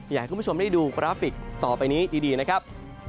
อยากให้คุณผู้ชมได้ดูกราฟิกต่อไปนี้ดีนะครับ